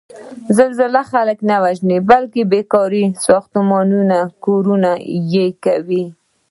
زلزله خلک نه وژني، بلکې بېکاره ساختمانونه کورنه یې کوي.